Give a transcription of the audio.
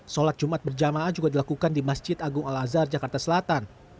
sholat jumat berjamaah juga dilakukan di masjid agung al azhar jakarta selatan